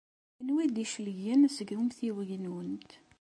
Anwa ay d-icelgen seg umtiweg-nwent?